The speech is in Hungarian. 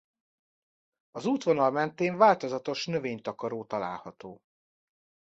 Az útvonal mentén változatos növénytakaró található.